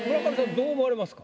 どう思われますか？